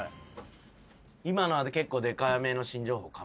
今のは結構でかめの新情報かもな。